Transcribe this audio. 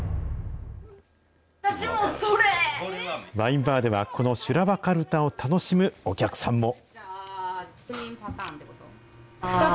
ワインバーでは、この修羅場かるたを楽しむお客さんも。